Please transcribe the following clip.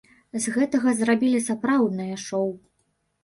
З гэтага зрабілі сапраўднае шоў!